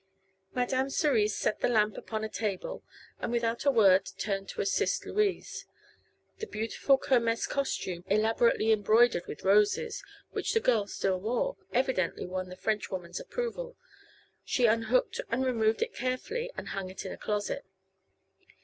Madame Cerise set the lamp upon a table and without a word turned to assist Louise. The beautiful Kermess costume, elaborately embroidered with roses, which the girl still wore, evidently won the Frenchwoman's approval. She unhooked and removed it carefully and hung it in a closet.